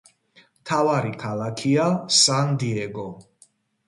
მთავარი ქალაქია სან-დიეგო.